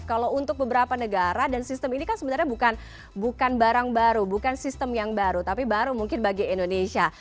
kalau untuk beberapa negara dan sistem ini kan sebenarnya bukan barang baru bukan sistem yang baru tapi baru mungkin bagi indonesia